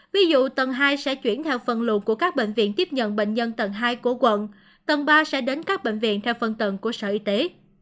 ví dụ tầng hai sẽ chuyển theo phần luộc của các bệnh viện tiếp nhận bệnh nhân tầng hai của quận tầng ba sẽ đến các bệnh viện theo phân tầng của sở y tế